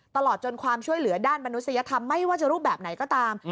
ตลอดจนความช่วยเหลือด้านมนุษยธรรมไม่ว่าจะรูปแบบไหนก็ตาม